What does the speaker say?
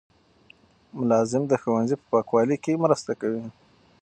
ملازم د ښوونځي په پاکوالي کې مرسته کوي.